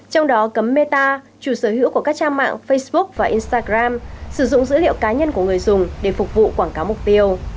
trong đó cấm meta chủ sở hữu của các trang mạng facebook và instagram sử dụng dữ liệu cá nhân của người dùng để phục vụ quảng cáo mục tiêu